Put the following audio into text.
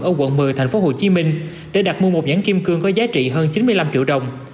ở quận một mươi thành phố hồ chí minh để đặt mua một nhãn kim cương có giá trị hơn chín mươi năm triệu đồng